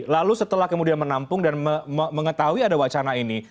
lalu setelah kemudian menampung dan mengetahui ada wacana ini